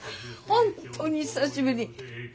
本当に久しぶり！